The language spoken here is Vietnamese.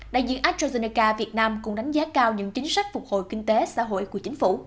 đại diện astrazeneca việt nam cũng đánh giá cao những chính sách phục hồi kinh tế xã hội của chính phủ